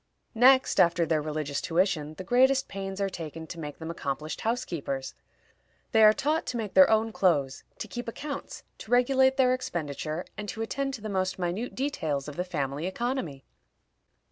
Next after their religious tuition, the greatest pains are taken to make them accomplished housekeepers. They are taught to make their own clothes, to keep accounts, to regulate their expenditure, and to attend to the most minute details of the family economy.